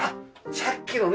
さっきのね。